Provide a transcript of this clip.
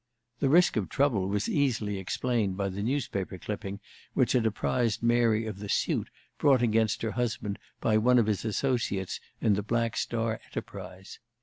The "risk of trouble" was easily explained by the newspaper clipping which had apprised Mary of the suit brought against her husband by one of his associates in the Blue Star enterprise.